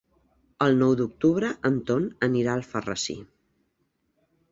El nou d'octubre en Ton anirà a Alfarrasí.